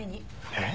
えっ？